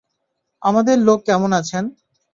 আমাদের লোক কেমন আছেন?